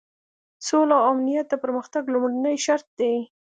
سوله او امنیت د پرمختګ لومړنی شرط دی.